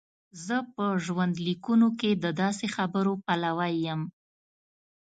زه په ژوندلیکونو کې د داسې خبرو پلوی یم.